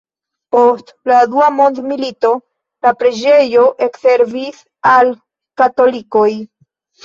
Post la dua mondmilito la preĝejo ekservis al katolikoj.